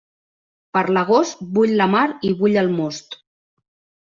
Per l'agost, bull la mar i bull el most.